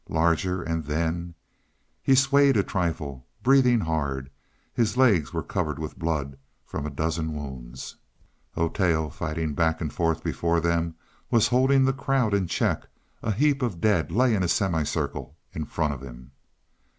"Larger and then " He swayed a trifle, breathing hard. His legs were covered with blood from a dozen wounds. Oteo, fighting back and forth before them, was holding the crowd in check; a heap of dead lay in a semicircle in front of him.